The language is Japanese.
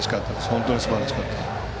本当に、すばらしかった。